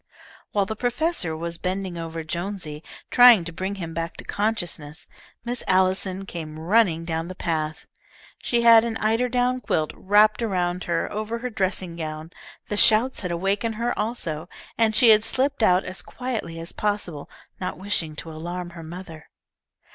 While the professor was bending over Jonesy, trying to bring him back to consciousness, Miss Allison came running down the path. She had an eiderdown quilt wrapped around her over her dressing gown. The shouts had awakened her, also, and she had slipped out as quietly as possible, not wishing to alarm her mother.